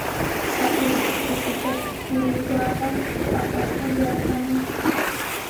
Taqay pukyupitashi quri waaka paqaspa yarqamun.